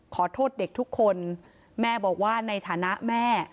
ขอโทษเด็กทุกคนแม่บอกว่าในฐานะแม่